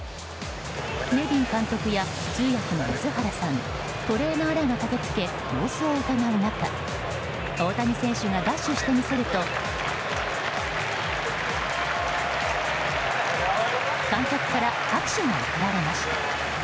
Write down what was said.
ネビン監督や通訳の水原さんトレーナーらが駆けつけ様子をうかがう中大谷選手がダッシュしてみせると観客から拍手が送られました。